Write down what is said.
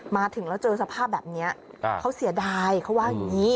มาถึงแล้วเจอสภาพแบบนี้เขาเสียดายเขาว่าอย่างนี้